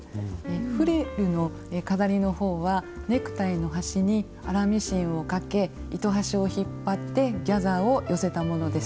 フリルの飾りの方はネクタイの端に粗ミシンをかけ糸端を引っ張ってギャザーを寄せたものです。